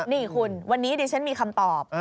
นี่คุณวันนี้ดิฉันมีคำตอบ